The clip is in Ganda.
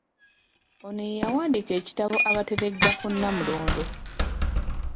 Ono ye yawandiika ekitabo “Abateregga ku Nnamulondo῎